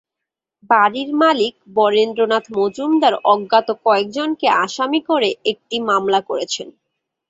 বাড়ির মালিক বরেন্দ্র নাথ মজুমদার অজ্ঞাত কয়েকজনকে আসামি করে একটি মামলা করেছেন।